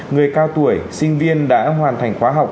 người cao tuổi sinh viên đã hoàn thành khóa học